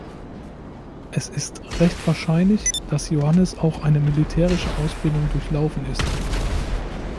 Es ist recht wahrscheinlich, dass Johannes auch eine militärische Ausbildung durchlaufen ist.